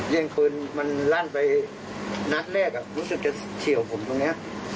แย่งพื้นมันลั่นไปนัดแรกอ่ะรู้สึกจะเฉี่ยวผมตรงเนี้ย